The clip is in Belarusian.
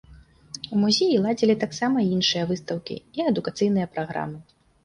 У музеі ладзілі таксама іншыя выстаўкі і адукацыйныя праграмы.